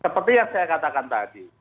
seperti yang saya katakan tadi